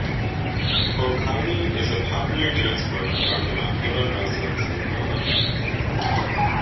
Kolkkali is a popular dance form among the Mappila Muslims in Malabar.